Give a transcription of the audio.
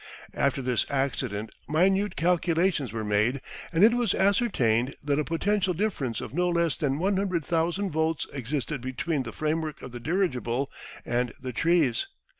After this accident minute calculations were made and it was ascertained that a potential difference of no less than 100,00 volts existed between the framework of the dirigible and the trees.